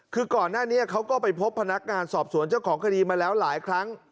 คือก่อนหน้านี้เขาก็ไปพบพนักงานสอบสวนเจ้าของคดีมาแล้วหลายครั้ง